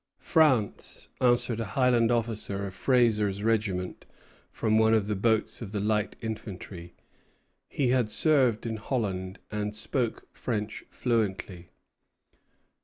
France! answered a Highland officer of Fraser's regiment from one of the boats of the light infantry. He had served in Holland, and spoke French fluently.